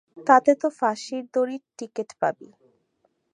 তাতে তো ফাঁসির দড়ির টিকেট পাবি।